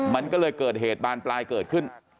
มันก็เลยเกิดเหตุบานปลายเกิดขึ้น